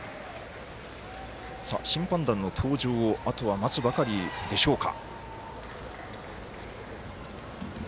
審判団の登場をあとは待つばかりでしょうか。